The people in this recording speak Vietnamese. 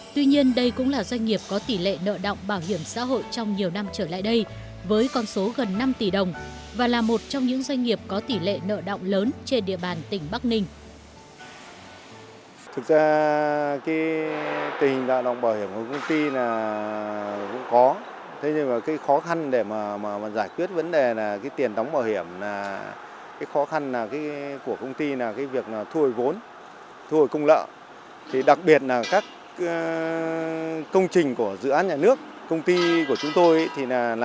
tuy nhiên đây cũng là doanh nghiệp có tỷ lệ nợ động bảo hiểm xã hội trong nhiều năm trở lại đây với con số gần năm tỷ đồng và là một trong những doanh nghiệp có tỷ lệ nợ động lớn trên địa bàn tỉnh bắc ninh